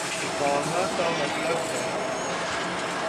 اقامہ کا مطلب ہے۔